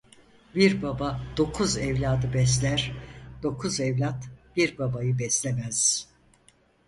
Bir baba dokuz evladı besler, dokuz evlat bir babayı beslemez.